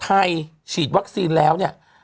ไทยฉีดวัคซีนแล้ว